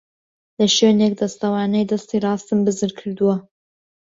لە شوێنێک دەستوانەی دەستی ڕاستم بزر کردووە.